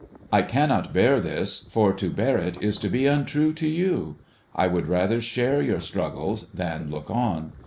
I cannot bear this, for to bear it is to be untrue to you. I would rather share your struggles than look on.